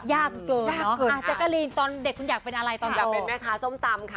ยากเกิดเนอะจักรีตอนเด็กคุณอยากเป็นอะไรตอนโตอยากเป็นแม่ค้าส้มตำค่ะ